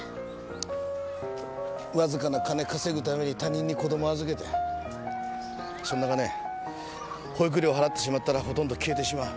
わずかな金稼ぐために他人に子供預けてそんな金保育料を払ってしまったらほとんど消えてしまう。